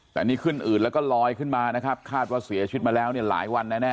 แต่นี่ขึ้นอืดแล้วก็ลอยขึ้นมานะครับคาดว่าเสียชีวิตมาแล้วเนี่ยหลายวันแน่